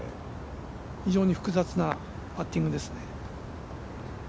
非常に複雑なパッティングですね。